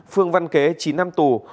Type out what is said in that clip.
phương văn kế chín năm tù